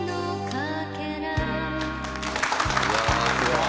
いやあすごい！